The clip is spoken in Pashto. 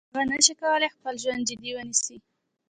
هغه نشي کولای خپل ژوند جدي ونیسي.